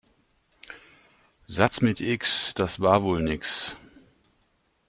Satz mit X, das war wohl nix.